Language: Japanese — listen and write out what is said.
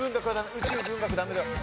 宇宙文学ダメだ。